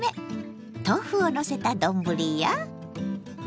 豆腐をのせた丼や。